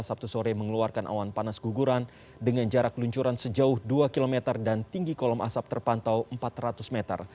sabtu sore mengeluarkan awan panas guguran dengan jarak luncuran sejauh dua km dan tinggi kolom asap terpantau empat ratus meter